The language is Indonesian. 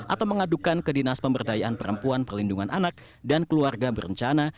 atau mengadukan ke dinas pemberdayaan perempuan perlindungan anak dan keluarga berencana